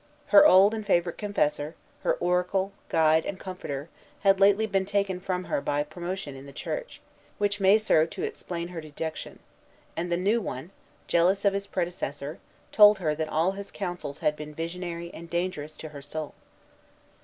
Her old and favorite confessor, her oracle, guide, and comforter, had lately been taken from her by promotion in the Church, which may serve to explain her dejection; and the new one, jealous of his predecessor, told her that all his counsels had been visionary and dangerous to her soul.